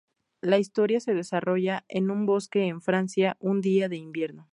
La historia se desarrolla en un bosque en Francia un día de invierno.